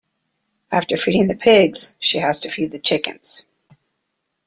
After feeding the pigs, she has to feed the chickens.